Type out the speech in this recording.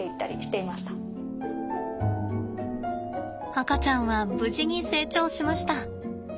赤ちゃんは無事に成長しました。